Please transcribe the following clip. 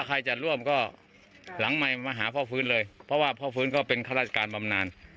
ความรู้เก่าคือว่าเป็นข้าราชการบำนาน